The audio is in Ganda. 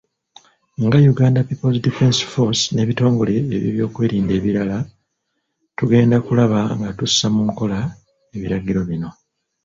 Nga Uganda People's Defence Force n'ebitongole byebyokwerinda ebirala, tugenda kulaba nga tussa mu nkola ebiragiro bino.